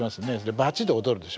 バチで踊るでしょ。